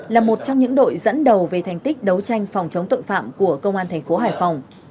là một trong những đội dẫn đầu về thành tích đấu tranh phòng chống tội phạm của công an thành phố hải phòng